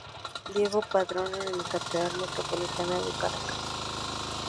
Diego Padrón en la Catedral Metropolitana de Caracas.